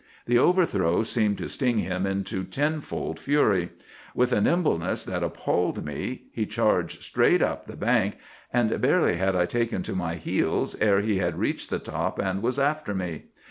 The overthrow seemed to sting him into tenfold fury. With a nimbleness that appalled me he charged straight up the bank, and barely had I taken to my heels ere he had reached the top and was after me.